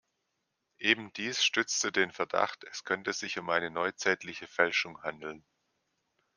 Ebendies stützte den Verdacht, es könnte sich um eine neuzeitliche Fälschung handeln.